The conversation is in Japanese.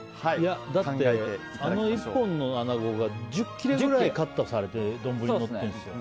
だって、あの１本の穴子が１０切れくらいカットされて丼にのってるんですよ。